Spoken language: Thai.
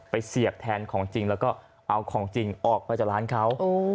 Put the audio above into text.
เสียบแทนของจริงแล้วก็เอาของจริงออกไปจากร้านเขา